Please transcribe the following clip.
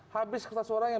habis kertas suaranya